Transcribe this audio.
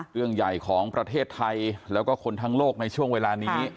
เรื่องใหญ่ของประเทศไทยแล้วก็คนทั้งโลกในช่วงเวลานี้